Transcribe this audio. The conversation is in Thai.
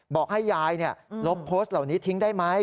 บอกให้ยายลบโพสต์เหล่านี้ทิ้งได้ไหม